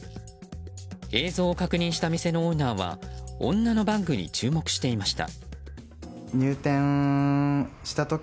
映像を確認した店のオーナーは女のバッグに注目していました。